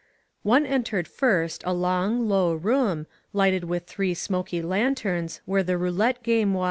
One entered first a long, low room, lighted with three smoky lanterns, where the roulette game was.